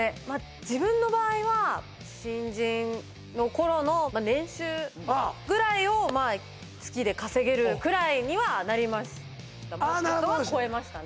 自分の場合はぐらいを月で稼げるくらいにはなりましたは超えましたね